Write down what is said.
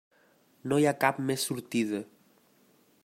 No hi ha cap més sortida.